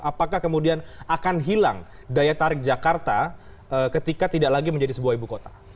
apakah kemudian akan hilang daya tarik jakarta ketika tidak lagi menjadi sebuah ibu kota